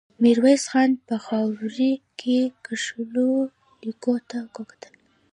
ميرويس خان په خاورو کې کښلو ليکو ته وکتل.